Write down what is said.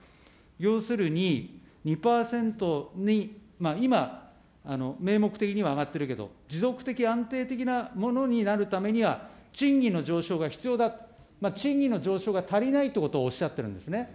要するに２％に今、名目的には上がってるけど、持続的、安定的なものになるためには、賃金の上昇が必要だと、賃金の上昇が足りないということをおっしゃっているんですね。